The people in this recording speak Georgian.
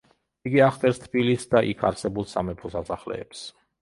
იგი აღწერს თბილისს და იქ არსებულ სამეფო სასახლეებს.